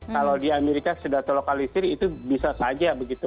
kalau di amerika sudah terlokalisir itu bisa saja begitu